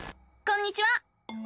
こんにちは！